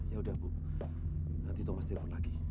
ya udah bu nanti thomas telpon lagi